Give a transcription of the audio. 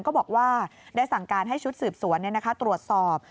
ก็บอกว่าได้สั่งการให้ชุดสืบสวนตรวจสอบ